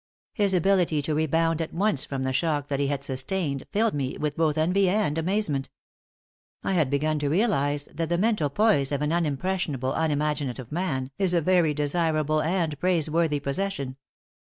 His ability to rebound at once from the shock that he had sustained filled me with both envy and amazement. I had begun to realize that the mental poise of an unimpressionable, unimaginative man is a very desirable and praise worthy possession.